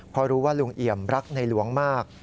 เพราะรู้ว่าลุงเอี่ยมรักในหลวงมาก